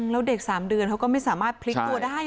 แล้วเด็ก๓เดือนเขาก็ไม่สามารถพลิกตัวได้